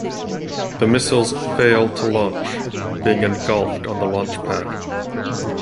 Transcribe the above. The missiles fail to launch, being engulfed on the launch pad.